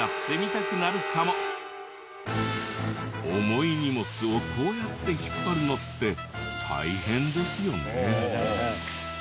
重い荷物をこうやって引っ張るのって大変ですよね。